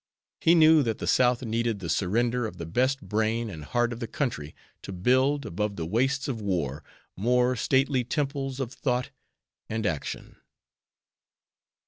He knew that the South needed the surrender of the best brain and heart of the country to build, above the wastes of war, more stately temples of thought and action.